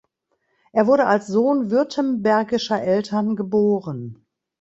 Er wurde als Sohn württembergischer Eltern geboren.